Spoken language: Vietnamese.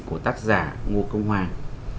của tác giả ngô công hoàng